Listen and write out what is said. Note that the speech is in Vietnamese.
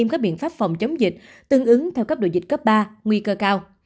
chống dịch tương ứng theo cấp độ dịch cấp ba nguy cơ cao